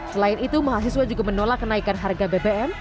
selain itu mahasiswa juga menolak kenaikan harga bbm